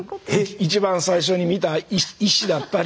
一番最初に診た医師だったり。